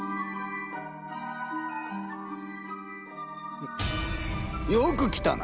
んっよく来たな。